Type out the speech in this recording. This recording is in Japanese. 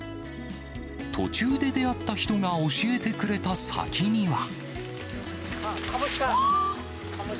途中で出会った人が教えてくれた先には。